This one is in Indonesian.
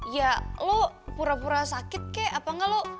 ya lo pura pura sakit kek apa enggak lo